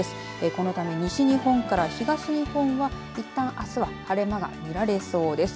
このため、西日本から東日本はいったんあすは晴れ間が見られそうです。